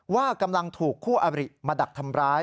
ว่ากำลังถูกคู่อบริมาดักทำร้าย